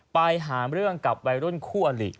ไปหาเรื่องกับวัยรุ่นคู่อลิ